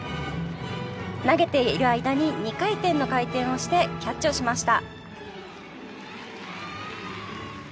投げている間に２回転の回転をしてキャッチをしました。